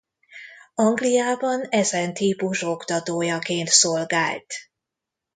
Angliában ezen típus oktatójaként szolgált.